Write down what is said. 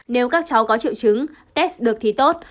nếu các cháu có triệu chứng test được thi tốt